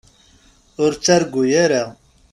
Ur ttargu ara.